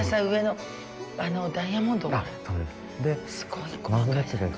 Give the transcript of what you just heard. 上の、ダイヤモンド？